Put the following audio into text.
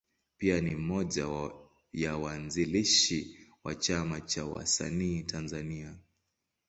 Pia ni mmoja ya waanzilishi wa Chama cha Wasanii Tanzania.